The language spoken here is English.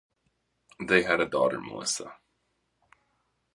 They had a daughter, Melissa.